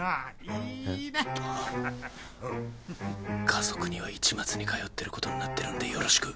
家族には市松に通ってることになってるんでよろしく。